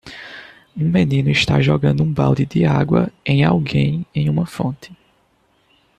Um menino está jogando um balde de água em alguém em uma fonte.